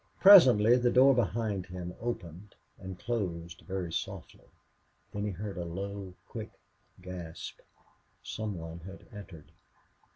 Presently the door behind him opened and closed very softly. Then he heard a low, quick gasp. Some one had entered.